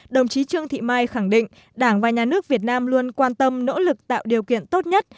đồng chí trương thị mai khẳng định đảng và nhà nước việt nam luôn quan tâm nỗ lực tạo điều kiện tốt nhất